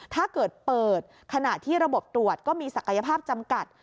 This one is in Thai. ถ้าเกิดเปิดขณะที่ระบบตรวจก็มีศักยภาพจำกัด